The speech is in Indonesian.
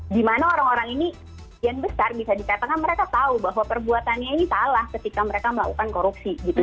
dimana orang orang ini yang besar bisa dikatakan mereka tahu bahwa perbuatannya ini salah ketika mereka melakukan korupsi gitu